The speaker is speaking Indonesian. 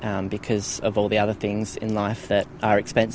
karena semua hal lain dalam hidup yang berharga sekarang